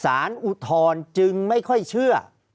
ภารกิจสรรค์ภารกิจสรรค์